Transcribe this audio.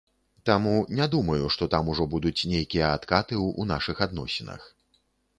Таму не думаю, што там ужо будуць нейкія адкаты ў нашых адносінах.